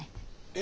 え？